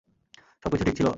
সবকিছু ঠিক ছিল?